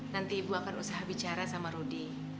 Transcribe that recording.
nanti ibu akan usaha bicara sama rudy